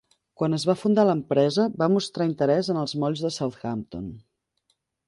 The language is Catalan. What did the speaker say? Quan es va fundar l'empresa, va mostrar interès en els molls de Southampton.